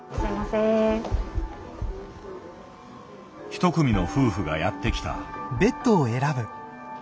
一組の夫婦がやって来た。